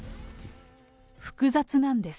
複雑なんです。